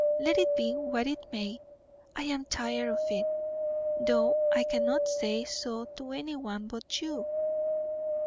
Let it be what it may, I am tired of it, though I cannot say so to any one but you."